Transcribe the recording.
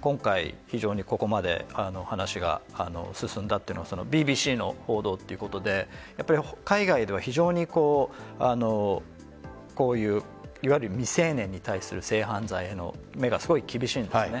今回、非常にここまで話が進んだというのはＢＢＣの報道ということでやっぱり海外では非常にいわいる未成年に対する性犯罪への目がすごい厳しいんですね。